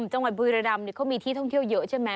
จังหวัดบุรีรำเขามีที่ท่องเที่ยวเยอะใช่ไหม